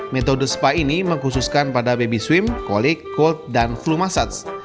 metode spa ini mengkhususkan pada baby swim colik cold dan flu massage